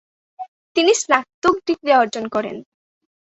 তিনি স্নাতক ডিগ্রী অর্জন করেন।